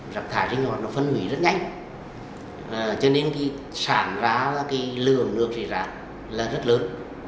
rác thải rinh ngọt phân hủy rất nhanh cho nên sản ra lượng nước rác rất lớn